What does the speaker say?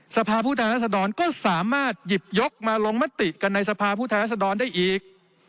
สภาพผู้แทนรัศดรก็สามารถหยิบยกมาลงมติกันในสภาพผู้แทนรัศดรได้อีก